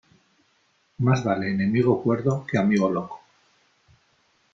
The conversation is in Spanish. Más vale enemigo cuerdo que amigo loco.